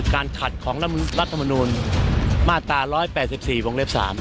คือการขัดของรัฐมนุนมาตรา๑๘๔วงเลศ๓